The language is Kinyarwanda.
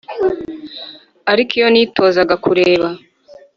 ariko iyo nitozaga kureba